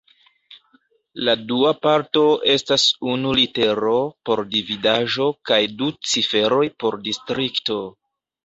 La dua parto estas unu litero por dividaĵo kaj du ciferoj por distrikto.